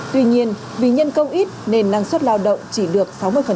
tuy nhiên vì nhân công ít nên năng suất lao động chỉ được sáu mươi